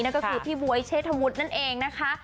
ก็คือพี่บ๊วยเชษฐวุฒินั่นเองนะคะ